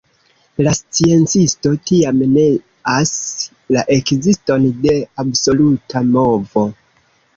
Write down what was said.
La sciencisto tiam neas la ekziston de absoluta movo.